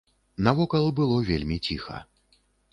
Навокал было вельмі ціха.